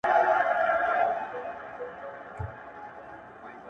زه څو ځله در څرګند سوم تا لا نه یمه لیدلی!